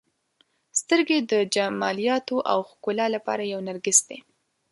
• سترګې د جمالیاتو او ښکلا لپاره یو نرګس دی.